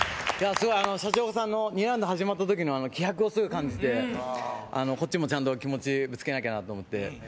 シャチホコさんの２ラウンド始まったときの気迫をすごく感じてこっちもちゃんと気持ち、ぶつけないとなと思って。